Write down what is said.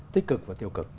tích cực và tiêu cực